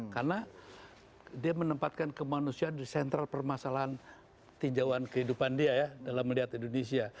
karena dia menempatkan kemanusiaan di sentral permasalahan tinjauan kehidupan dia ya dalam melihat indonesia